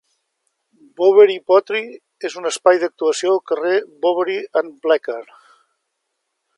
Bowery Poetry és un espai d'actuació al carrer Bowery and Bleecker.